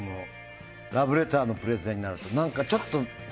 ラブレターのプレゼンになると。